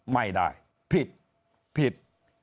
ไม่ได้ผิดผิด